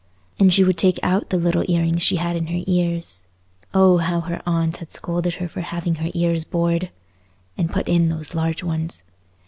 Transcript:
And she would take out the little ear rings she had in her ears—oh, how her aunt had scolded her for having her ears bored!—and put in those large ones.